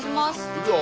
いくよ。